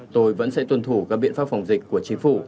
tôi vẫn sẽ tuân thủ các biện pháp phòng dịch của chính phủ